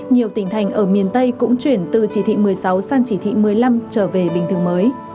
nhiều tỉnh thành ở miền tây cũng chuyển từ chỉ thị một mươi sáu sang chỉ thị một mươi năm trở về bình thường mới